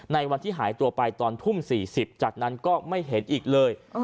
ในวันที่หายตัวไปตอนทุ่ม๔๐จากนั้นก็ไม่เห็นอีกเลย